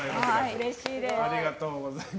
うれしいです。